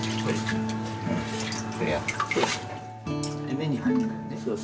目に入るからね。